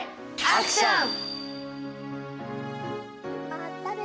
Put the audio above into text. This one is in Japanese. まったね。